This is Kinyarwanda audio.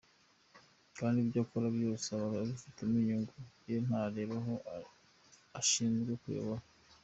Kandi ibyo akora byose aba abifitemo inyungu ye ntareba abo ashinzwe kuyobora.